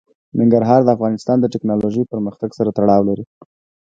ننګرهار د افغانستان د تکنالوژۍ پرمختګ سره تړاو لري.